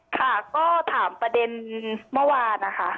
ค่ะก็ถามประเด็นเมื่อวานนะคะ